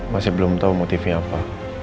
masih belum tahu motifnya apa